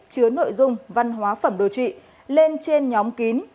chứa nội dung văn hóa phẩm đồ trị lên trên nhóm kín